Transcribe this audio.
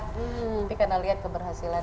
tapi karena lihat keberhasilan